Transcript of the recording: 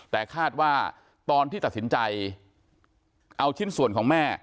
แต่คาดว่าตอนที่ตัดสินใจเอาชิ้นส่วนของแม่